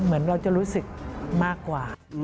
เหมือนเราจะรู้สึกมากกว่า